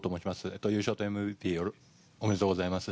優勝とＭＶＰおめでとうございます。